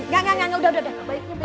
gak gak gak udah udah